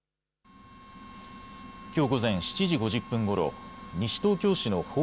きょう午前７時５０分ごろ西東京市の保